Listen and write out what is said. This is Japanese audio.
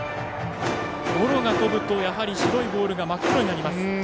ゴロが飛ぶと白いボールが真っ黒になります。